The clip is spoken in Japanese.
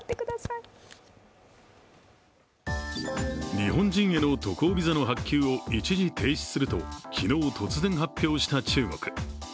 日本人への渡航ビザの発給を一時停止すると昨日、突然発表した中国。